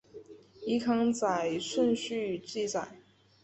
依刊载顺序记载。